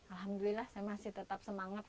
alhamdulillah saya masih tetap semangat